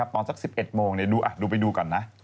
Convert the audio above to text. ตอนสัก๑๑โมงดูไปดูก่อนนะ